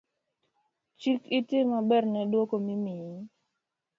Chik iti maber ne dwoko mimiyi